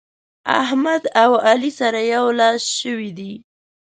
احمد او علي سره يو لاس شوي دي.